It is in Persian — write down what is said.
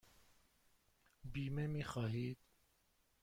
بیمه می خواهید؟